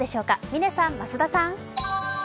嶺さん、増田さん。